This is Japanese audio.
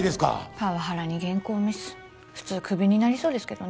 パワハラに原稿ミス普通クビになりそうですけどね。